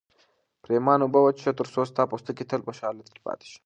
پرېمانه اوبه وڅښه ترڅو ستا پوستکی تل په ښه حالت کې پاتې شي.